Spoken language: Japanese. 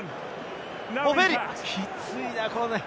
きついな。